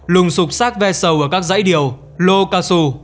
lùng sụp xác vẹt sầu ở các rãi điều lô cao su